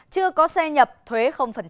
chưa có xe nhập thuế